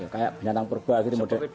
kayak penyantang perbuah gitu menurutmu